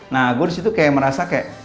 nah gue disitu kayak merasa kayak